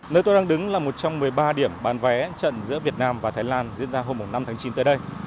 nơi tôi đang đứng là một trong một mươi ba điểm bán vé trận giữa việt nam và thái lan diễn ra hôm năm tháng chín tới đây